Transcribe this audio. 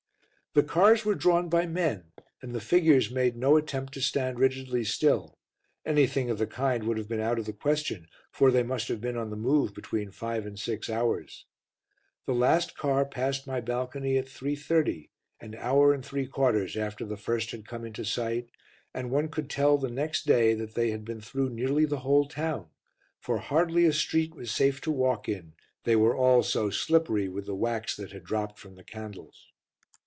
The cars were drawn by men and the figures made no attempt to stand rigidly still anything of the kind would have been out of the question, for they must have been on the move between five and six hours. The last car passed my balcony at 3.30, an hour and three quarters after the first had come into sight, and one could tell the next day that they had been through nearly the whole town, for hardly a street was safe to walk in they were all so slippery with the wax that had dropped from the candles.